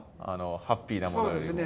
ハッピーなものよりも。